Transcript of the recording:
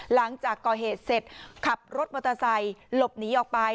หลังจากก่อเหตุเสร็จขับรถมอเตอร์ไซค์หลบหนีออกไป